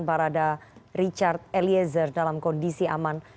barada richard eliezer dalam kondisi aman